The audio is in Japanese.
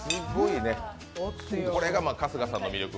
これが春日さんの魅力。